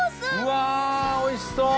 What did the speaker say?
うわおいしそう！